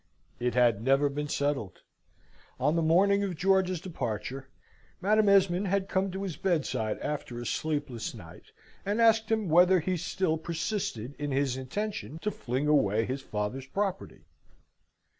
It had never been settled. On the morning of George's departure, Madam Esmond had come to his bedside after a sleepless night, and asked him whether he still persisted in his intention to fling away his father's property?